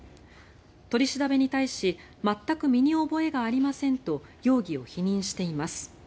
取り調べに対し全く身に覚えがありませんと容疑を否認しています。